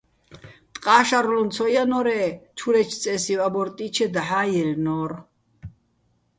ტყა́ შარლუჼ ცო ჲანო́რე́, ჩურეჩო̆ წე́სივ აბორტ ჲიჩე, დაჰ̦ა́ ჲაჲლნო́რ.